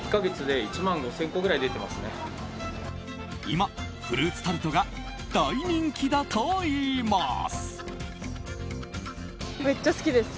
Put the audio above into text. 今、フルーツタルトが大人気だといいます。